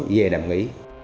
về đàm nghĩ